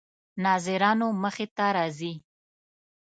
ناظرانو مخې ته راځي.